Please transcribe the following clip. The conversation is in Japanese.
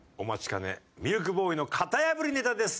かねミルクボーイの型破りネタです。